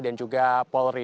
dan juga polri